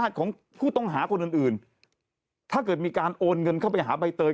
ของผู้ต้องหาคนอื่นอื่นถ้าเกิดมีการโอนเงินเข้าไปหาใบเตย